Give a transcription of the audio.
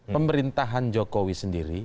pemerintahan jokowi sendiri